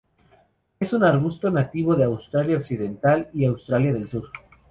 Es un arbusto nativo de Australia Occidental y Australia del Sur.